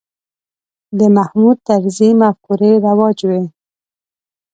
د محمود طرزي مفکورې رواج وې.